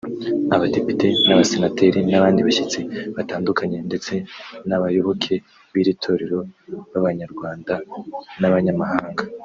abadepite n’abasenateri n’abandi bashyitsi batandukanye ndetse n’abayoboke b’iri torero b’Abanyarwanda n’abanyamahanga